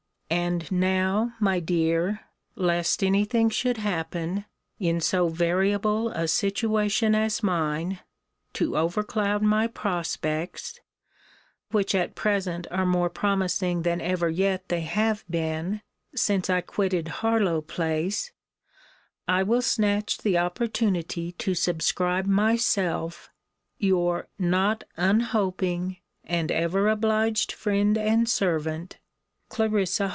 And now, my dear, lest any thing should happen, in so variable a situation as mine, (which at present are more promising than ever yet they have been since I quitted Harlowe place,) I will snatch the opportunity to subscribe myself Your not unhoping and ever obliged friend and servant, CL. HARLOWE.